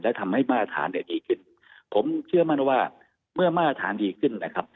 และทำให้มาตรฐานเนี่ยดีขึ้นผมเชื่อมั่นว่าเมื่อมาตรฐานดีขึ้นนะครับ